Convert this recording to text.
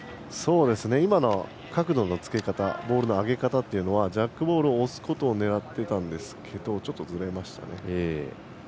今の角度のつけ方ボールの上げ方というのはジャックボールを押すことを狙っていたんですけどちょっとずれましたね。